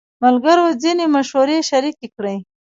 ملګرو ځینې مشورې شریکې کړې.